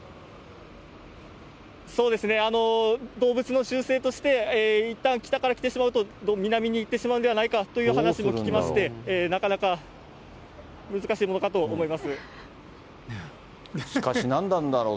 そうですね、動物の習性として、いったん北から来てしまうと、南に行ってしまうんではないかという話も聞きまして、なかなか難しかし、何なんだろう。